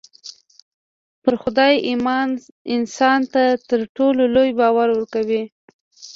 پر خدای ايمان انسان ته تر ټولو لوی باور ورکوي.